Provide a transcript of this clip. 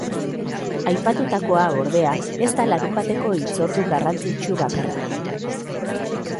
Aipatutakoa, ordea, ez da larunbateko hitzordu garrantzitsu bakarra.